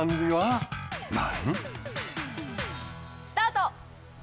スタート！